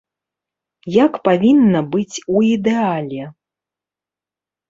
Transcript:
Як павінна быць у ідэале?